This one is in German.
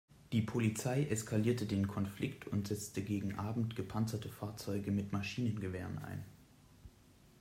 Die Polizei eskalierte den Konflikt und setzte gegen Abend gepanzerte Fahrzeuge mit Maschinengewehren ein.